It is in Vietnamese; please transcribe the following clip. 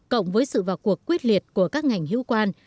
cộng với sự vào cuộc quyết liệt của các ngành hữu quan